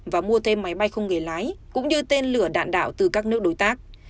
và mua thêm máy bay không người lái cũng như tên lửa đạn đạo từ các nước đối tác